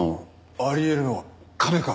あり得るのは金か。